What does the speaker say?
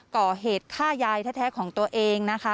ก่อเหตุฆ่ายายแท้ของตัวเองนะคะ